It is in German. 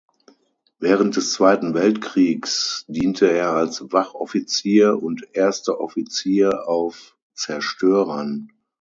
Während des Zweiten Weltkriegs diente er als Wachoffizier und Erster Offizier auf Zerstörern.